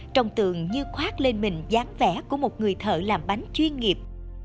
trong tường như khoát lên mình dáng vẽ của một người thợ làm bánh chuyên nghiệp